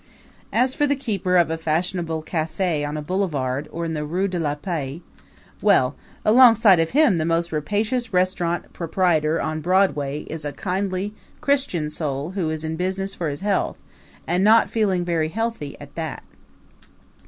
As for the keeper of a fashionable cafe on a boulevard or in the Rue de la Paix well, alongside of him the most rapacious restaurant proprietor on Broadway is a kindly, Christian soul who is in business for his health and not feeling very healthy at that.